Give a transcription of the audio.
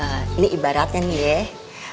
eh ini ibaratnya nih